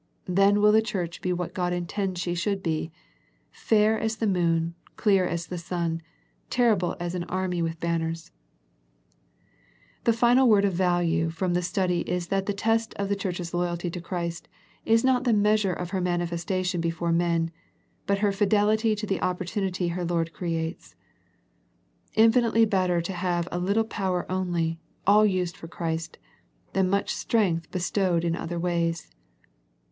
Then will the Church be what God intends she should be, " fair as the moon, clear as the sun, terrible as an army with banners." 1 82 A First Century Message The final word of value from the study is that the test of the Church's loyalty to Christ is not the measure of her manifestation before men, but her fidelity to the opportunity her Lord creates. Infinitely better to have a little power only, all used for Christ, than much strength bestowed in other ways.